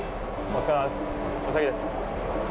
お先です。